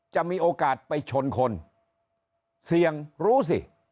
จะมีโอกาสไปชนคนเสี่ยงรู้สิ